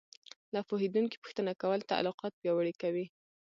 له پوهېدونکي پوښتنه کول تعلقات پیاوړي کوي.